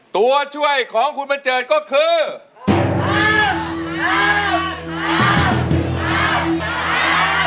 ตัวช่วยของคุณบัญเจิดก็คือ